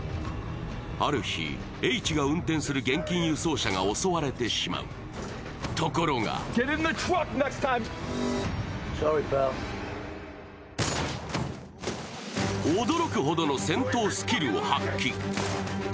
ある日Ｈが運転する現金輸送車が襲われてしまう、ところが驚くほどの戦闘スキルを発揮。